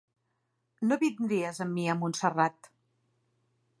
No vindries amb mi a Montserrat.